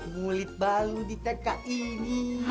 kulit baru di tk ini